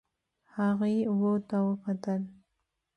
هغې اوبو ته وکتل.